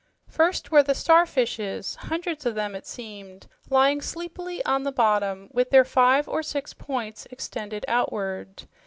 First were the starfishes hundreds of them, it seemed lying sleepily on the bottom, with their five or six points extended outward.